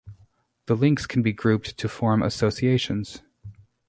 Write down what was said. The links can be grouped to form associations.